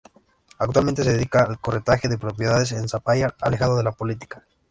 Actualmente se dedica al corretaje de propiedades en Zapallar, alejado de la política.